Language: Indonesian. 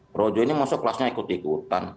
projo ini masuk kelasnya ikut ikutan